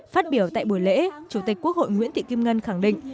phát biểu tại buổi lễ chủ tịch quốc hội nguyễn thị kim ngân khẳng định